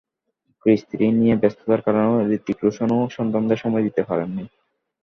কৃষ three নিয়ে ব্যস্ততার কারণে হূতিক রোশনও সন্তানদের সময় দিতে পারেননি।